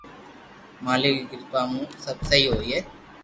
مالڪ ري ڪرپا مون سب سھي ھوئي